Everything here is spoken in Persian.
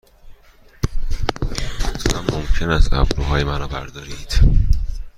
لطفاً ممکن است ابروهای مرا بردارید؟